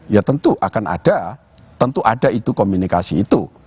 ya tentu akan ada tentu ada itu komunikasi itu